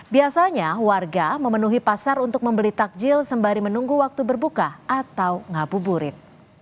biasanya warga memenuhi pasar untuk membeli takjil sembari menunggu waktu berbuka atau ngabuburit